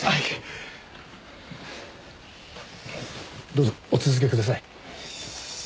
どうぞお続けください。